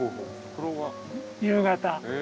夕方。